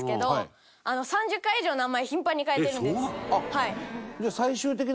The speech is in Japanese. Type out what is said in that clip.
はい。